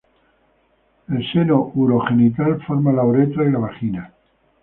El seno urogenital forma la uretra y la vagina.